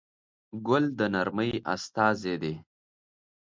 ګل د نرمۍ استازی دی.